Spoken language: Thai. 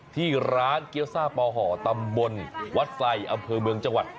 ที่ร้านเกี้ยวซ่าปอห่อตำบลวัดไซอำเภอเมืองจังหวัด